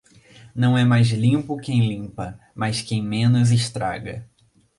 Não é mais limpo quem limpa mas quem menos estraga.